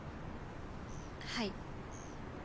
はい。